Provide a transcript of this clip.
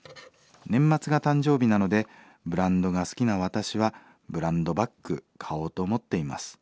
年末が誕生日なのでブランドが好きな私はブランドバッグ買おうと思っています。